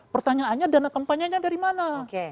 pertanyaannya dana kampanye nya dari mana